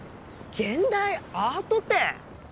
現代アート展？